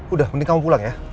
udah mending kamu pulang ya